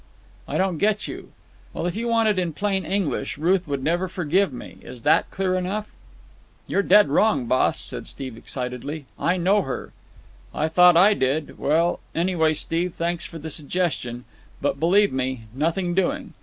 "I don't get you." "Well, if you want it in plain English, Ruth would never forgive me. Is that clear enough?" "You're dead wrong, boss," said Steve excitedly. "I know her." "I thought I did. Well, anyway, Steve, thanks for the suggestion; but, believe me, nothing doing.